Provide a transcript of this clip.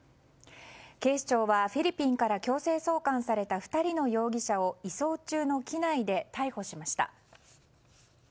警視庁はフィリピンから強制送還された２人の容疑者を移送中の機内で逮捕しました。